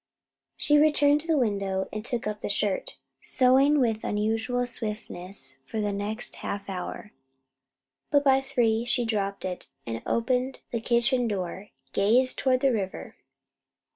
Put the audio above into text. She returned to the window and took up the shirt, sewing with unusual swiftness for the next half hour; but by three she dropped it, and opening the kitchen door, gazed toward the river.